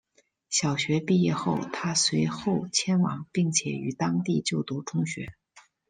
小学毕业后她随后迁往并且于当地就读中学。